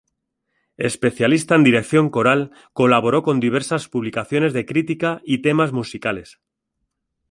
Especialista en dirección coral, colaboró con diversas publicaciones de crítica y temas musicales.